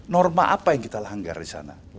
norma apa yang kita langgar di sana